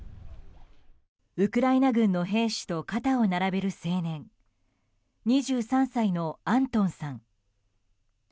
ウクライナ軍の兵士と肩を並べる青年２３歳のアントンさん。